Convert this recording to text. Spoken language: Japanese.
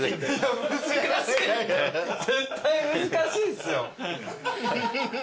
絶対難しいっすよ。